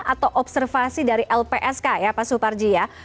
atau observasi dari lpsk ya pak suparji ya